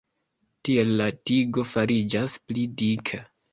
Tiel la tigo fariĝas pli dika.